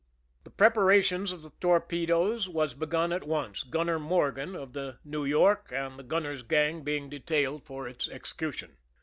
The preparation of the torpedoes was begun at once, Gunner Morgan of the New York and the gunner's gang being detailed for its execution.